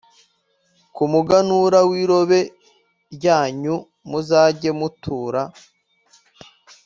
Ku muganura w irobe ryanyu muzajye mutura